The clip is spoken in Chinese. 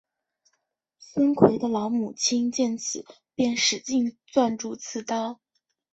孙奎的老母亲见此便使劲攥住刺刀。